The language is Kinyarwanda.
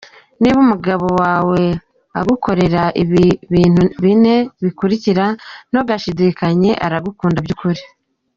Niba umugabo wawe agukorera ibi bintu bine bikurikira ntugashidikanye aragukunda by’ ukuri.